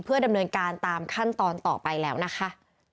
ดำเนินการตามขั้นตอนต่อไปแล้วนะคะ